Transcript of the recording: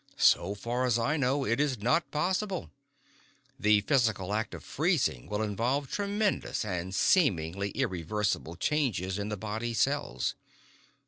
"So far as I know, it is not possible. The physical act of freezing will involve tremendous and seemingly irreversible changes in the body cells.